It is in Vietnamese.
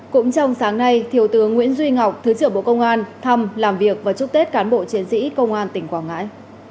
cũng trong sáng nay thiếu tướng nguyễn duy ngọc thứ trưởng bộ công an thăm làm việc và chúc tết cán bộ chiến sĩ công an tỉnh quảng ngãi